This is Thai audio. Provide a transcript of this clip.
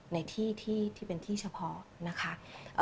ในที่ที่เป็นที่เฉพาะนะคะ